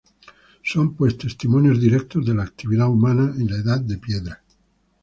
Son, pues, testimonios directos de la actividad humana en la Edad de Piedra.